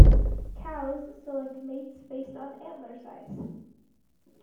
Cows select mates based on antler size.